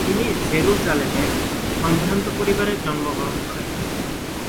তিনি জেরুসালেমের সম্ভ্রান্ত পরিবারে জন্মগ্রহণ করেন।